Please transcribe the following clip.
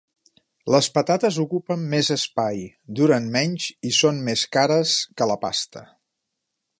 Les patates ocupen més espai, duran menys i són més cares que la pasta.